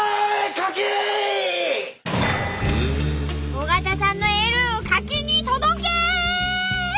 尾形さんのエールかきに届け！